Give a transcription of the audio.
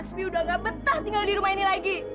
spie udah gak betah tinggal di rumah ini lagi